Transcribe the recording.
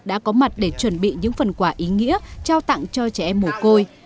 đã có mặt để chuẩn bị những phần quả ý nghĩa trao tặng cho trẻ em mồ côi